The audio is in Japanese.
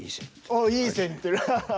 あいい線いってるハハ。